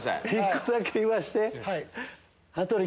１個だけ言わして。